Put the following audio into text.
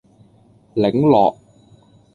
檸樂